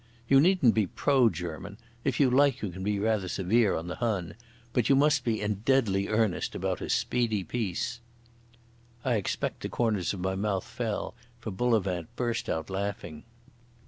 You needn't be pro German—if you like you can be rather severe on the Hun. But you must be in deadly earnest about a speedy peace." I expect the corners of my mouth fell, for Bullivant burst out laughing.